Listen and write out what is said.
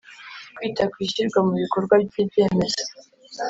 Kwita ku ishyirwa mu bikorwa ry ibyemezo